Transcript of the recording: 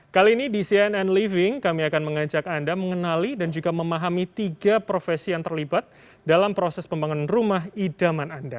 kali ini di cnn living kami akan mengajak anda mengenali dan juga memahami tiga profesi yang terlibat dalam proses pembangunan rumah idaman anda